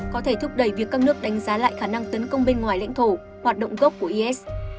có thể thúc đẩy việc các nước đánh giá lại khả năng tấn công bên ngoài lãnh thổ hoạt động gốc của is